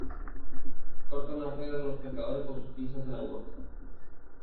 Cortan las redes de los pescadores con sus pinzas de langosta.